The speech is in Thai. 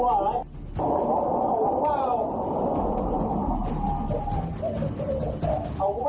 หน่อยตัวหละ